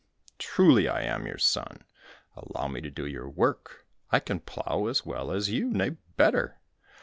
"Truly I am your son; allow me to do your work, I can plough as well as you, nay better."